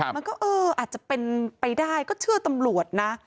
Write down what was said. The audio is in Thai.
มันก็เอออาจจะเป็นไปได้ก็เชื่อตำรวจนะ